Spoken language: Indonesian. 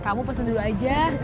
kamu pesen dulu aja